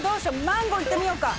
マンゴーいってみようか。